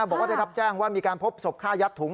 บอกว่าได้รับแจ้งว่ามีการพบศพฆ่ายัดถุง